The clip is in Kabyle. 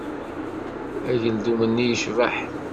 Ageldun-nni yecbeḥ.